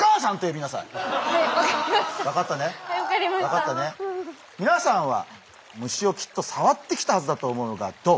みなさんは虫をきっと触ってきたはずだと思うがどう？